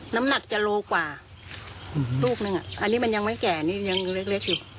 น้ำหนักจะโลกว่าลูกนึงอ่ะอันนี้มันยังไม่แก่นี่ยังเล็กอยู่